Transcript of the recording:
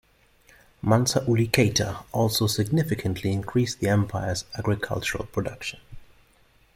Mansa Uli Keita also significantly increased the empire's agricultural production.